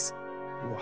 うわ。